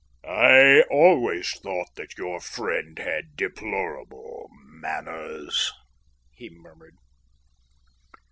"I always thought that your friend had deplorable manners," he murmured.